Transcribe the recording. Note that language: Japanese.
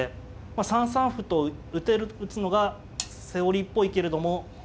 まあ３三歩と打つのがセオリーっぽいけれども。